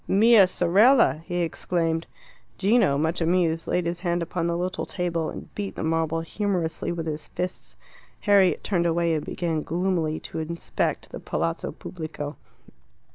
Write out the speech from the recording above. "Mia sorella!" he exclaimed. Gino, much amused, laid his hand upon the little table, and beat the marble humorously with his fists. Harriet turned away and began gloomily to inspect the Palazzo Pubblico.